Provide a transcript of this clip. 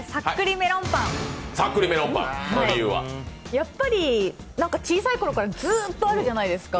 やっぱり小さい頃からずーっとあるじゃないですか。